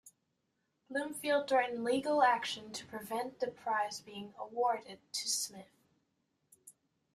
Bloomfield threatened legal action to prevent the prize being awarded to Smith.